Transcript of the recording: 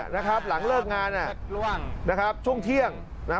นะครับหลังเลิกงานนะครับช่วงเที่ยงนะครับ